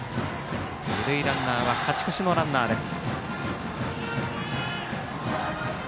二塁ランナーは勝ち越しのランナーです。